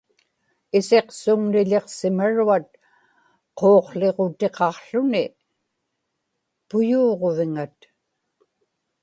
isiqsuŋniḷiqsimaruat quuqłiġutiqaqłuni puyuuġviŋat